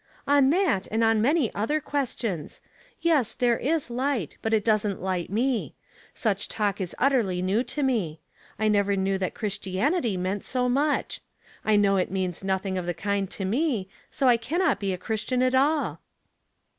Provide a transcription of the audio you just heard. " On that and on many other questions. Yes, there is light, but it doesn't light me. Such talk is utterly new to me. I never knew that Christianity meant so much. I know it means nothing of the kind to me, so I cannot be a Christian at all."